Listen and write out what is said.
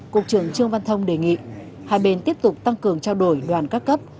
cục trưởng trương văn thông đề nghị hai bên tiếp tục tăng cường trao đổi đoàn các cấp